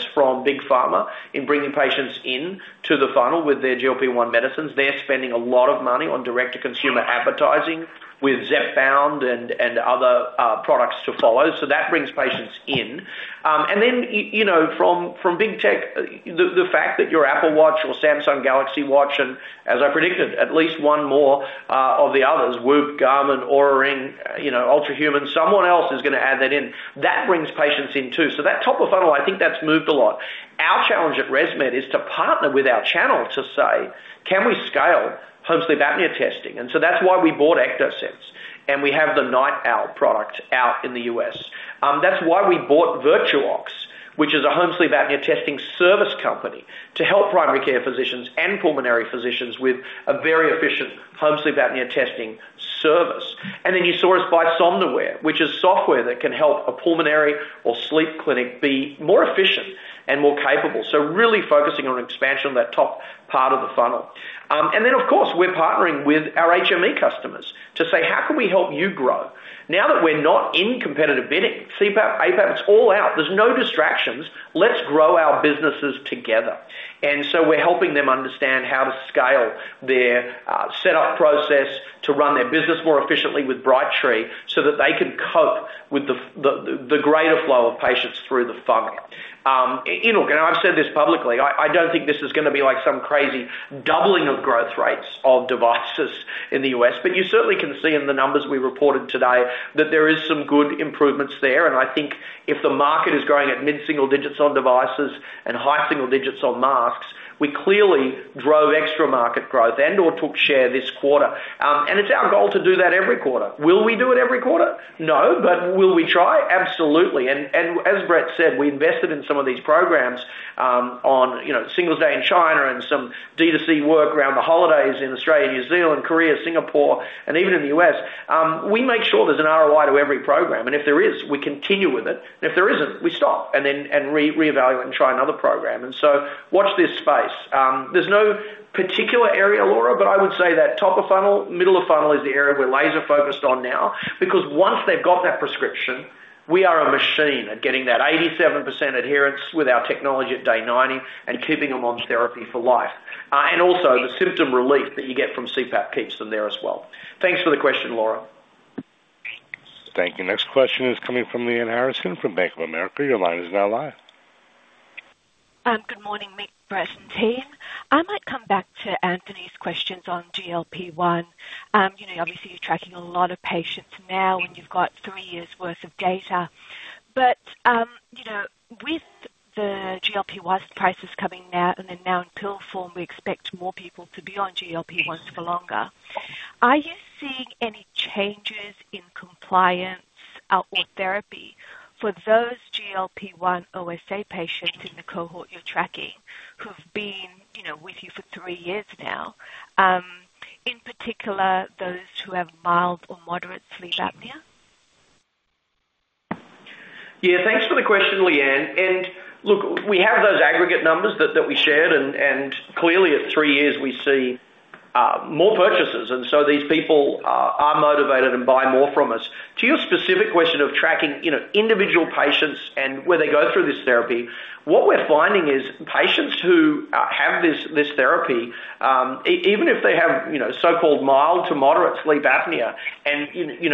S3: big pharma in bringing patients in to the funnel with their GLP-1 medicines. They're spending a lot of money on direct-to-consumer advertising with Zepbound and other products to follow. So that brings patients in. And then from big tech, the fact that your Apple Watch or Samsung Galaxy Watch, and as I predicted, at least one more of the others, Whoop, Garmin, Oura Ring, Ultrahuman, someone else is going to add that in, that brings patients in too. So that top of funnel, I think that's moved a lot. Our challenge at ResMed is to partner with our channel to say, "Can we scale home sleep apnea testing?" And so that's why we bought Ectosense, and we have the NightOwl product out in the U.S. That's why we bought VirtuOx, which is a home sleep apnea testing service company to help primary care physicians and pulmonary physicians with a very efficient home sleep apnea testing service. And then you saw us buy Somnoware, which is software that can help a pulmonary or sleep clinic be more efficient and more capable. So really focusing on expansion of that top part of the funnel. And then, of course, we're partnering with our HME customers to say, "How can we help you grow?" Now that we're not in competitive bidding, CPAP, APAP, it's all out. There's no distractions. Let's grow our businesses together. And so, we're helping them understand how to scale their setup process to run their business more efficiently with Brightree so that they can cope with the greater flow of patients through the funnel. In order, and I've said this publicly, I don't think this is going to be like some crazy doubling of growth rates of devices in the U.S., but you certainly can see in the numbers we reported today that there are some good improvements there. And I think if the market is growing at mid-single digits on devices and high single digits on masks, we clearly drove extra market growth and/or took share this quarter. And it's our goal to do that every quarter. Will we do it every quarter? No, but will we try? Absolutely. And as Brett said, we invested in some of these programs on Singles' Day in China and some D2C work around the holidays in Australia, New Zealand, Korea, Singapore, and even in the U.S. We make sure there's an ROI to every program. And if there is, we continue with it. And if there isn't, we stop and then reevaluate and try another program. And so, watch this space. There's no particular area, Laura, but I would say that top of funnel, middle of funnel is the area we're laser-focused on now because once they've got that prescription, we are a machine at getting that 87% adherence with our technology at day 90 and keeping them on therapy for life. And also, the symptom relief that you get from CPAP keeps them there as well. Thanks for the question, Laura.
S1: Thank you. Next question is coming from Lyanne Harrison from Bank of America. Your line is now live.
S9: Good morning, Mick, Brett, and team. I might come back to Anthony's questions on GLP-1. Obviously, you're tracking a lot of patients now when you've got three years' worth of data. But with the GLP-1 prices coming now and then now in pill form, we expect more people to be on GLP-1s for longer. Are you seeing any changes in compliance or therapy for those GLP-1 OSA patients in the cohort you're tracking who've been with you for three years now, in particular those who have mild or moderate sleep apnea?
S3: Yeah. Thanks for the question, Lyanne. And look, we have those aggregate numbers that we shared, and clearly at three years, we see more purchases. And so, these people are motivated and buy more from us. To your specific question of tracking individual patients and where they go through this therapy, what we're finding is patients who have this therapy, even if they have so-called mild to moderate sleep apnea and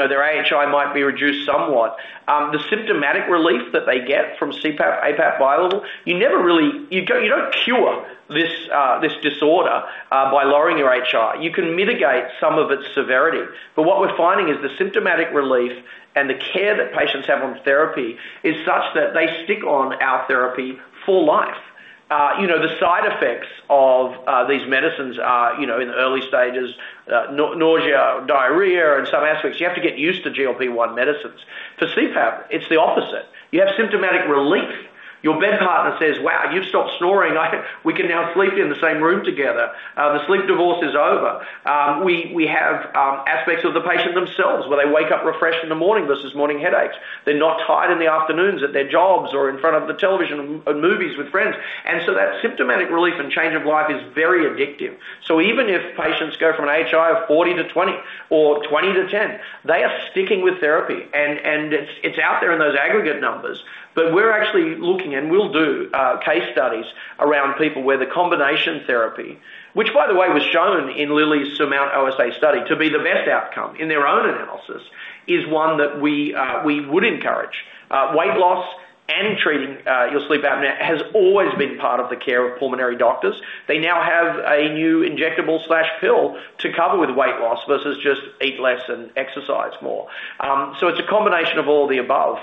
S3: their AHI might be reduced somewhat, the symptomatic relief that they get from CPAP, APAP, bi-level. You never really you don't cure this disorder by lowering your AHI. You can mitigate some of its severity. But what we're finding is the symptomatic relief and the care that patients have on therapy is such that they stick on our therapy for life. The side effects of these medicines in the early stages, nausea, diarrhea, and some aspects, you have to get used to GLP-1 medicines. For CPAP, it's the opposite. You have symptomatic relief. Your bed partner says, "Wow, you've stopped snoring. We can now sleep in the same room together. The sleep divorce is over." We have aspects of the patient themselves where they wake up refreshed in the morning versus morning headaches. They're not tired in the afternoons at their jobs or in front of the television and movies with friends. And so that symptomatic relief and change of life is very addictive. So even if patients go from an AHI of 40 to 20 or 20 to 10, they are sticking with therapy. And it's out there in those aggregate numbers. But we're actually looking, and we'll do case studies around people where the combination therapy, which, by the way, was shown in Lilly's SURMOUNT-OSA study to be the best outcome in their own analysis, is one that we would encourage. Weight loss and treating your sleep apnea has always been part of the care of pulmonary doctors. They now have a new injectable or pill to cover with weight loss versus just eat less and exercise more. So, it's a combination of all the above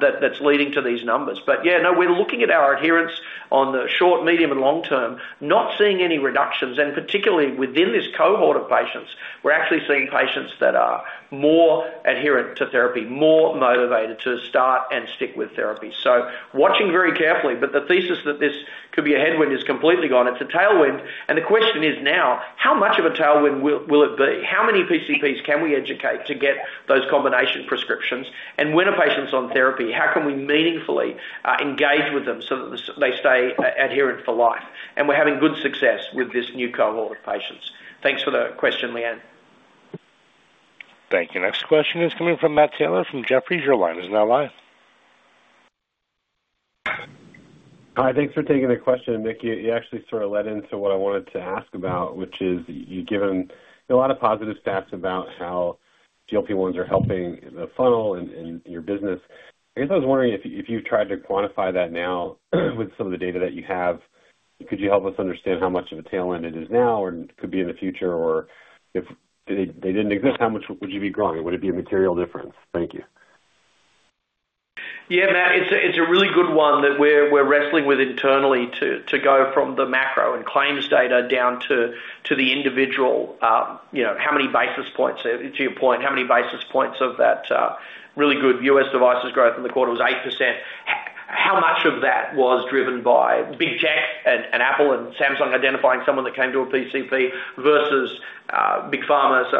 S3: that's leading to these numbers. But yeah, no, we're looking at our adherence on the short, medium, and long term, not seeing any reductions. And particularly within this cohort of patients, we're actually seeing patients that are more adherent to therapy, more motivated to start and stick with therapy. So, watching very carefully, but the thesis that this could be a headwind is completely gone. It's a tailwind. And the question is now, how much of a tailwind will it be? How many PCPs can we educate to get those combination prescriptions? And when a patient's on therapy, how can we meaningfully engage with them so that they stay adherent for life? And we're having good success with this new cohort of patients. Thanks for the question, Lyanne.
S1: Thank you. Next question is coming from Matt Taylor from Jefferies. Your line is now live.
S10: Hi. Thanks for taking the question, Mick. You actually sort of led into what I wanted to ask about, which is you've given a lot of positive stats about how GLP-1s are helping the funnel and your business. I guess I was wondering if you've tried to quantify that now with some of the data that you have, could you help us understand how much of a tailwind it is now or could be in the future, or if they didn't exist, how much would you be growing? Would it be a material difference? Thank you.
S3: Yeah, Matt. It's a really good one that we're wrestling with internally to go from the macro and claims data down to the individual, how many basis points. To your point, how many basis points of that really good U.S. devices growth in the quarter was 8%? How much of that was driven by big tech and Apple and Samsung identifying someone that came to a PCP versus big pharma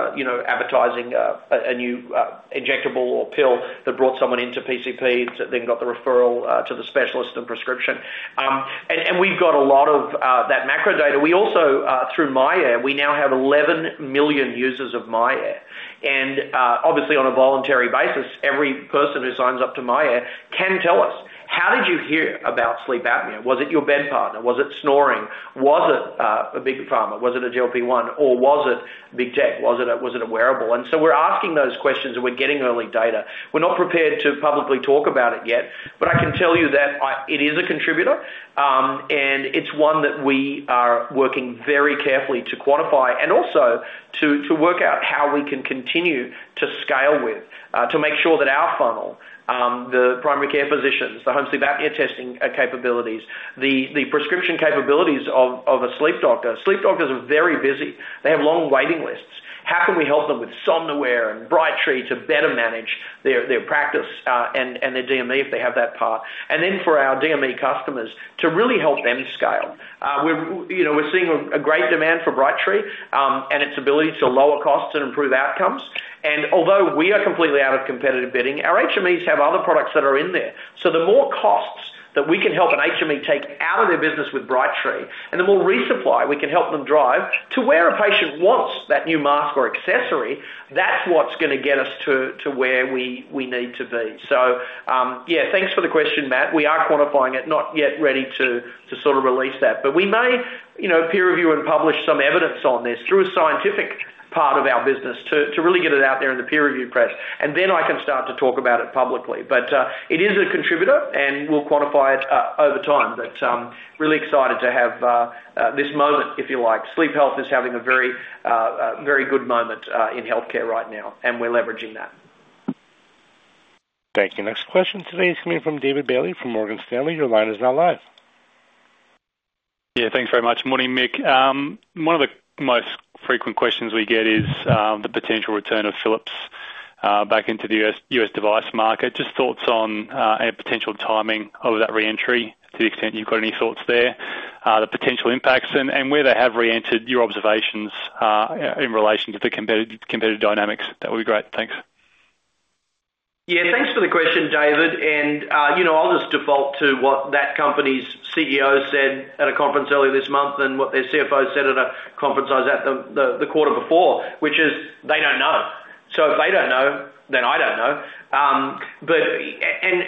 S3: advertising a new injectable or pill that brought someone into PCP that then got the referral to the specialist and prescription? We've got a lot of that macro data. We also, through myAir, we now have 11 million users of myAir. Obviously, on a voluntary basis, every person who signs up to myAir can tell us, "How did you hear about sleep apnea? Was it your bed partner? Was it snoring? Was it big pharma? was it a GLP-1? Or was it big tech? Was it a wearable?" So, we're asking those questions, and we're getting early data. We're not prepared to publicly talk about it yet, but I can tell you that it is a contributor, and it's one that we are working very carefully to quantify and also to work out how we can continue to scale with to make sure that our funnel, the primary care physicians, the home sleep apnea testing capabilities, the prescription capabilities of a sleep doctor. Sleep doctors are very busy. They have long waiting lists. How can we help them with Somnoware and Brightree to better manage their practice and their DME if they have that part? And then for our DME customers to really help them scale. We're seeing a great demand for Brightree and its ability to lower costs and improve outcomes. And although we are completely out of competitive bidding, our HMEs have other products that are in there. So, the more costs that we can help an HME take out of their business with Brightree, and the more resupply we can help them drive to where a patient wants that new mask or accessory, that's what's going to get us to where we need to be. So yeah, thanks for the question, Matt. We are quantifying it, not yet ready to sort of release that. But we may peer review and publish some evidence on this through a scientific part of our business to really get it out there in the peer-reviewed press. And then I can start to talk about it publicly. But it is a contributor, and we'll quantify it over time. But really excited to have this moment, if you like. Sleep health is having a very good moment in healthcare right now, and we're leveraging that.
S1: Thank you. Next question today is coming from David Bailey from Morgan Stanley. Your line is now live.
S11: Yeah. Thanks very much. Morning, Mick. One of the most frequent questions we get is the potential return of Philips back into the U.S. device market. Just thoughts on potential timing of that re-entry to the extent you've got any thoughts there, the potential impacts, and where they have re-entered, your observations in relation to the competitive dynamics. That would be great. Thanks.
S3: Yeah. Thanks for the question, David. I'll just default to what that company's CEO said at a conference earlier this month and what their CFO said at a conference I was at the quarter before, which is they don't know. If they don't know, then I don't know.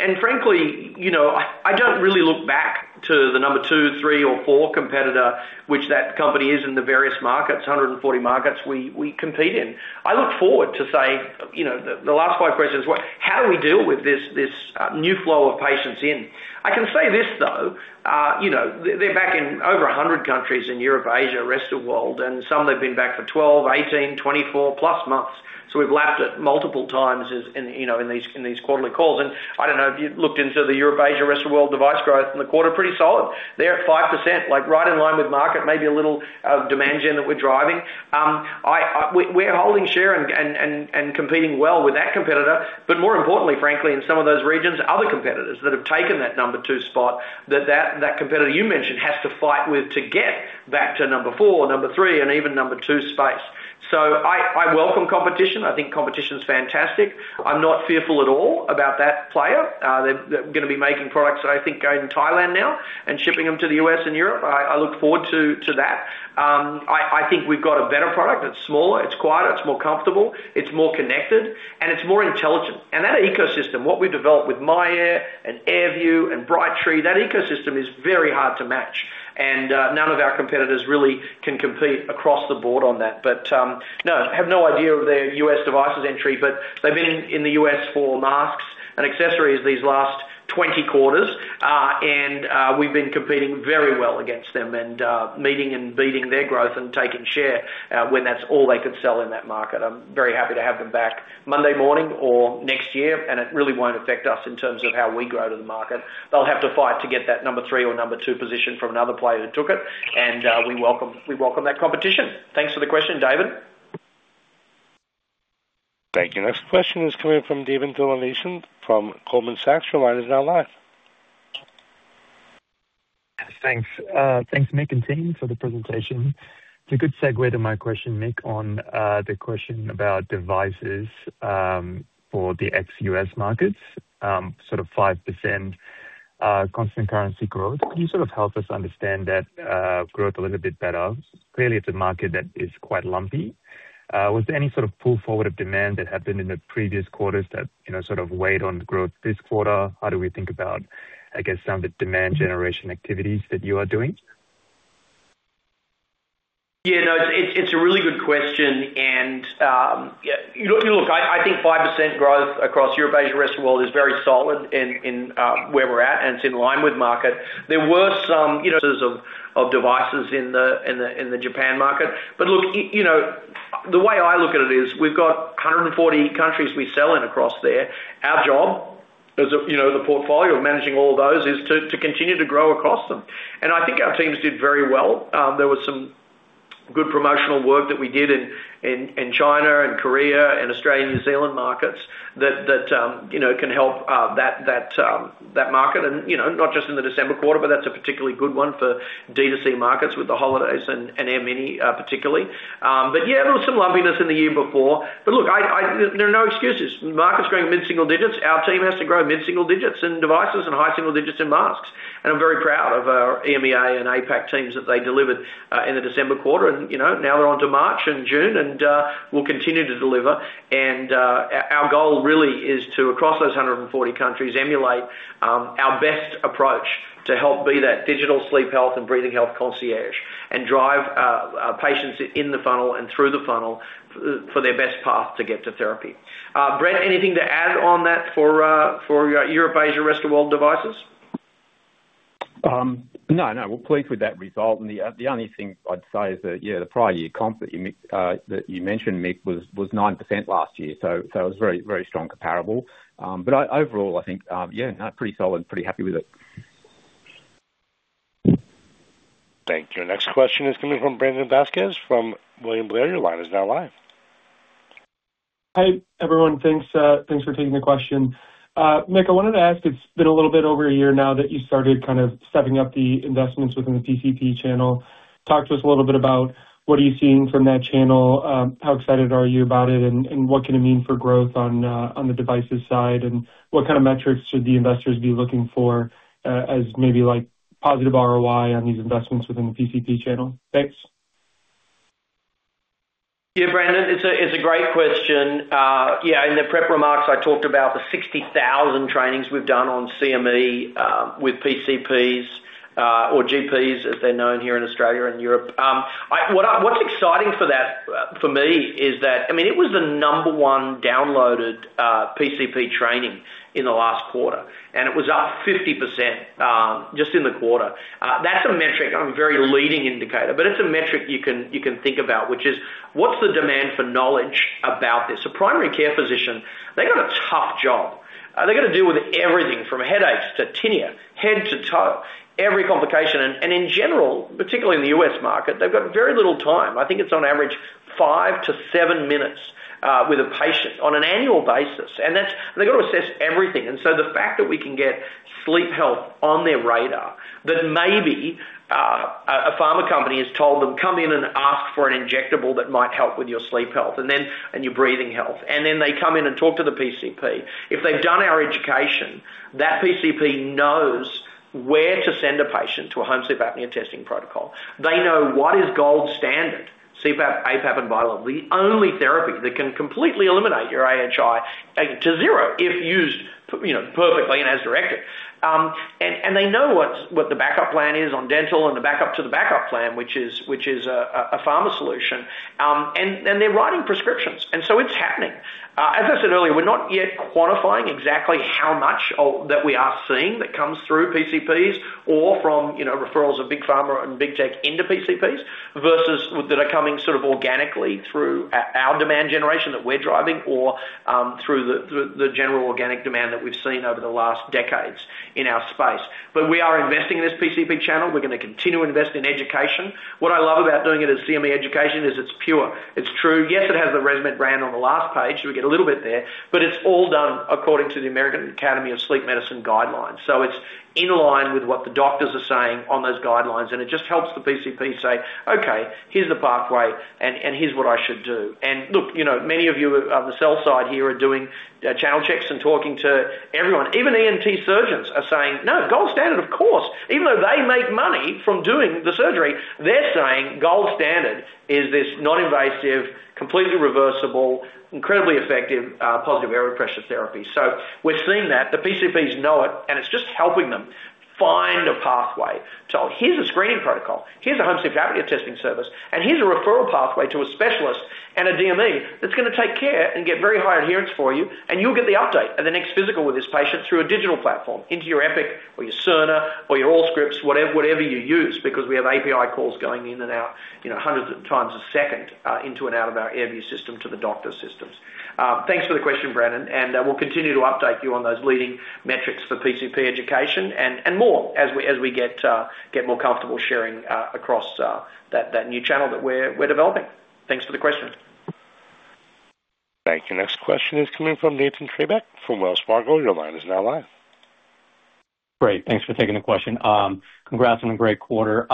S3: And frankly, I don't really look back to the number 2, 3, or 4 competitor, which that company is in the various markets, 140 markets we compete in. I look forward to say the last 5 questions is, how do we deal with this new flow of patients in? I can say this though, they're back in over 100 countries in Europe, Asia, Rest of the World, and some they've been back for 12, 18, 24+ months. So we've lapped it multiple times in these quarterly calls. And I don't know if you looked into the Europe, Asia, Rest of the World device growth in the quarter, pretty solid. They're at 5%, right in line with market, maybe a little demand gen that we're driving. We're holding share and competing well with that competitor. But more importantly, frankly, in some of those regions, other competitors that have taken that number two spot that that competitor you mentioned has to fight with to get back to number four, number three, and even number two space. So I welcome competition. I think competition's fantastic. I'm not fearful at all about that player. They're going to be making products that I think go in Thailand now and shipping them to the U.S. and Europe. I look forward to that. I think we've got a better product. It's smaller. It's quieter. It's more comfortable. It's more connected. And it's more intelligent. And that ecosystem, what we've developed with myAir and AirView and Brightree, that ecosystem is very hard to match. And none of our competitors really can compete across the board on that. But no, I have no idea of their U.S. devices entry, but they've been in the U.S. for masks and accessories these last 20 quarters. And we've been competing very well against them and meeting and beating their growth and taking share when that's all they could sell in that market. I'm very happy to have them back Monday morning or next year, and it really won't affect us in terms of how we grow to the market. They'll have to fight to get that number three or number two position from another player who took it. And we welcome that competition. Thanks for the question, David.
S1: Thank you. Next question is coming from Davinthra Thillainathan from Goldman Sachs. Your line is now live.
S12: Thanks. Thanks, Mick and team, for the presentation. It's a good segue to my question, Mick, on the question about Devices for the ex-U.S. markets, sort of 5% constant currency growth. Could you sort of help us understand that growth a little bit better? Clearly, it's a market that is quite lumpy. Was there any sort of pull forward of demand that happened in the previous quarters that sort of weighed on growth this quarter? How do we think about, I guess, some of the demand generation activities that you are doing?
S3: Yeah. No, it's a really good question. And look, I think 5% growth across Europe, Asia, Rest of the World is very solid in where we're at, and it's in line with market. There were some of devices in the Japan market. But look, the way I look at it is we've got 140 countries we sell in across there. Our job, the portfolio of managing all of those, is to continue to grow across them. I think our teams did very well. There was some good promotional work that we did in China and Korea and Australia and New Zealand markets that can help that market. And not just in the December quarter, but that's a particularly good one for D2C markets with the holidays and AirMini particularly. But yeah, there was some lumpiness in the year before. But look, there are no excuses. Market's growing mid-single digits. Our team has to grow mid-single digits in Devices and high single digits in Masks. And I'm very proud of our EMEA and APAC teams that they delivered in the December quarter. And now they're on to March and June, and we'll continue to deliver. Our goal really is to, across those 140 countries, emulate our best approach to help be that digital sleep health and breathing health concierge and drive patients in the funnel and through the funnel for their best path to get to therapy. Brett, anything to add on that for Europe, Asia, Rest of the World devices?
S4: No, no. We're pleased with that result. And the only thing I'd say is that, yeah, the prior year comp that you mentioned, Mick, was 9% last year. So it was a very strong comparable. But overall, I think, yeah, no, pretty solid, pretty happy with it.
S1: Thank you. Next question is coming from Brandon Vazquez from William Blair. Your line is now live.
S13: Hi, everyone. Thanks for taking the question. Mick, I wanted to ask, it's been a little bit over a year now that you started kind of stepping up the investments within the PCP channel. Talk to us a little bit about what are you seeing from that channel, how excited are you about it, and what can it mean for growth on the devices side, and what kind of metrics should the investors be looking for as maybe positive ROI on these investments within the PCP channel? Thanks.
S3: Yeah, Brandon, it's a great question. Yeah, in the prep remarks, I talked about the 60,000 trainings we've done on CME with PCPs or GPs, as they're known here in Australia and Europe. What's exciting for me is that, I mean, it was the number one downloaded PCP training in the last quarter, and it was up 50% just in the quarter. That's a metric. I'm a very leading indicator, but it's a metric you can think about, which is what's the demand for knowledge about this? A primary care physician, they've got a tough job. They've got to deal with everything from headaches to tinea, head to toe, every complication. In general, particularly in the U.S. market, they've got very little time. I think it's on average 5-7 minutes with a patient on an annual basis. They've got to assess everything. So the fact that we can get sleep health on their radar, that maybe a pharma company has told them, "Come in and ask for an injectable that might help with your sleep health and your breathing health." Then they come in and talk to the PCP. If they've done our education, that PCP knows where to send a patient to a home sleep apnea testing protocol. They know what is gold standard: CPAP, APAP, and bi-level. The only therapy that can completely eliminate your AHI to zero if used perfectly and as directed. And they know what the backup plan is on dental and the backup to the backup plan, which is a pharma solution. And they're writing prescriptions. And so it's happening. As I said earlier, we're not yet quantifying exactly how much that we are seeing that comes through PCPs or from referrals big pharma and big tech into PCPs versus that are coming sort of organically through our demand generation that we're driving or through the general organic demand that we've seen over the last decades in our space. But we are investing in this PCP channel. We're going to continue to invest in education. What I love about doing it as CME education is it's pure. It's true. Yes, it has the ResMed brand on the last page. We get a little bit there. But it's all done according to the American Academy of Sleep Medicine guidelines. So it's in line with what the doctors are saying on those guidelines. And it just helps the PCP say, "Okay, here's the pathway, and here's what I should do." And look, many of you on the sell side here are doing channel checks and talking to everyone. Even ENT surgeons are saying, "No, gold standard, of course." Even though they make money from doing the surgery, they're saying gold standard is this non-invasive, completely reversible, incredibly effective positive airway pressure therapy. So we're seeing that. The PCPs know it, and it's just helping them find a pathway. So here's a screening protocol. Here's a home sleep apnea testing service. Here's a referral pathway to a specialist and a DME that's going to take care and get very high adherence for you. And you'll get the update at the next physical with this patient through a digital platform into your Epic or your Cerner or your Allscripts, whatever you use, because we have API calls going in and out hundreds of times a second into and out of our AirView system to the doctor's systems. Thanks for the question, Brandon. We'll continue to update you on those leading metrics for PCP education and more as we get more comfortable sharing across that new channel that we're developing. Thanks for the question.
S1: Thank you. Next question is coming from Nathan Treybeck from Wells Fargo. Your line is now live.
S14: Great. Thanks for taking the question. Congrats on a great quarter.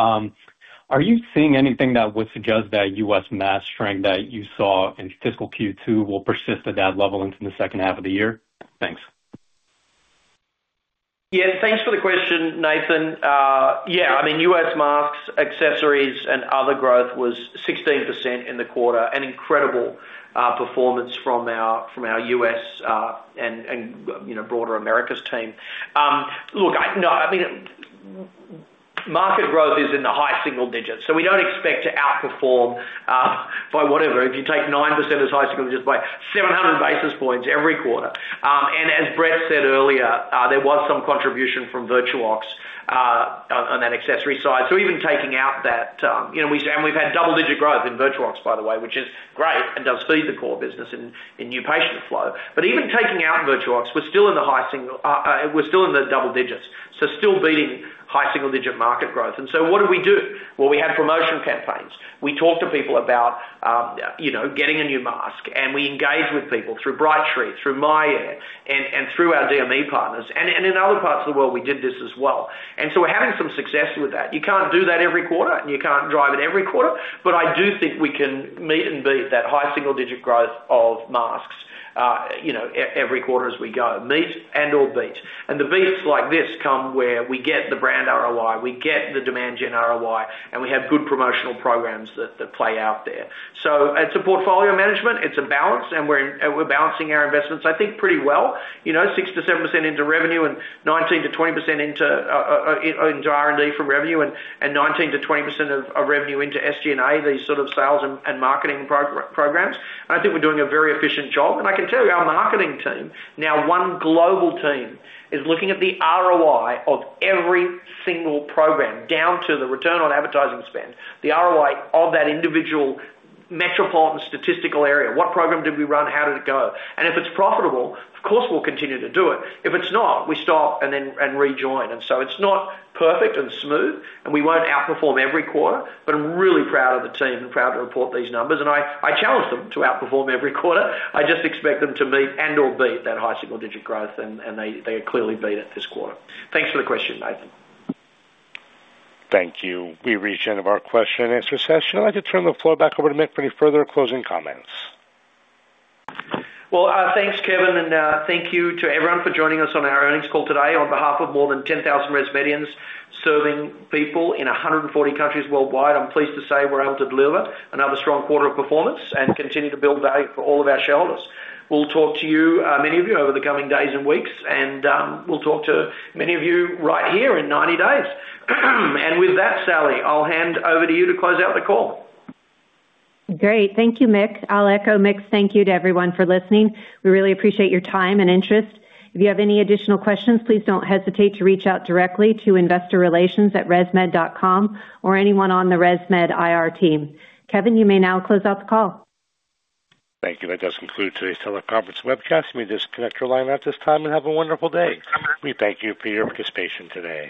S14: Are you seeing anything that would suggest that U.S. mask strength that you saw in fiscal Q2 will persist at that level into the second half of the year? Thanks.
S3: Yeah. Thanks for the question, Nathan. Yeah. I mean, U.S. masks, accessories, and other growth was 16% in the quarter. An incredible performance from our U.S. and broader America's team. Look, I mean, market growth is in the high single digits. So we don't expect to outperform by whatever. If you take 9% as high single digits, by 700 basis points every quarter. And as Brett said earlier, there was some contribution from VirtuOx on that accessory side. So even taking out that and we've had double-digit growth in VirtuOx, by the way, which is great and does feed the core business in new patient flow. But even taking out VirtuOx, we're still in the high single digits. We're still in the double digits. So still beating high single-digit market growth. And so what did we do? Well, we had promotion campaigns. We talked to people about getting a new mask. And we engaged with people through Brightree, through myAir, and through our DME partners. And in other parts of the world, we did this as well. And so we're having some success with that. You can't do that every quarter, and you can't drive it every quarter. But I do think we can meet and beat that high single-digit growth of masks every quarter as we go. Meet and/or beat. And the beats like this come where we get the brand ROI, we get the demand gen ROI, and we have good promotional programs that play out there. So it's a portfolio management. It's a balance. And we're balancing our investments, I think, pretty well. 6%-7% into revenue and 19%-20% into R&D from revenue and 19%-20% of revenue into SG&A, these sort of sales and marketing programs. And I think we're doing a very efficient job. And I can tell you our marketing team, now one global team, is looking at the ROI of every single program down to the return on advertising spend, the ROI of that individual metropolitan statistical area. What program did we run? How did it go? And if it's profitable, of course, we'll continue to do it. If it's not, we stop and rejoin. And so it's not perfect and smooth, and we won't outperform every quarter. But I'm really proud of the team and proud to report these numbers. And I challenge them to outperform every quarter. I just expect them to meet and/or beat that high single-digit growth. They clearly beat it this quarter. Thanks for the question, Nathan.
S1: Thank you. We reached the end of our question and answer session. I'd like to turn the floor back over to Mick for any further closing comments.
S3: Well, thanks, Kevin. Thank you to everyone for joining us on our earnings call today. On behalf of more than 10,000 ResMedians serving people in 140 countries worldwide, I'm pleased to say we're able to deliver another strong quarter of performance and continue to build value for all of our shareholders. We'll talk to you, many of you, over the coming days and weeks. We'll talk to many of you right here in 90 days. With that, Salli, I'll hand over to you to close out the call.
S2: Great. Thank you, Mick. I'll echo, Mick, thank you to everyone for listening. We really appreciate your time and interest. If you have any additional questions, please don't hesitate to reach out directly to investorrelations@resmed.com or anyone on the ResMed IR team. Kevin, you may now close out the call.
S1: Thank you. That does conclude today's teleconference webcast. You may now disconnect your line at this time and have a wonderful day. We thank you for your participation today.